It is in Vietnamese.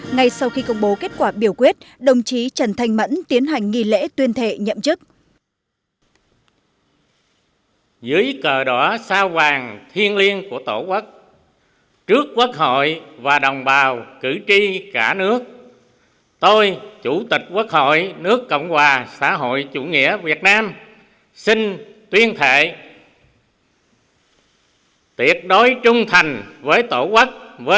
ngay sau khi công bố kết quả biểu quyết đồng chí trần thành mẫn tiến hành nghị lễ tuyên thệ nhậm chức